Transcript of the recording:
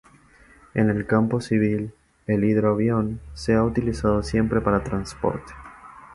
En el campo civil, el hidroavión se ha utilizado siempre para transporte.